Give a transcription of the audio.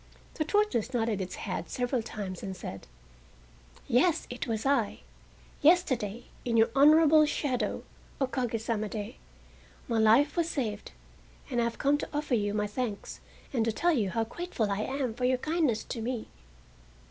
The tortoise nodded its head several times and said: "Yes, it was I. Yesterday in your honorable shadow (o kage sama de) my life was saved, and I have come to offer you my thanks and to tell you how grateful I am for your kindness to me."